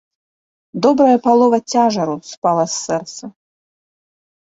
Добрая палова цяжару спала з сэрца.